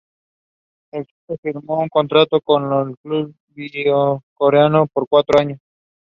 Purpose of Project Hydro Power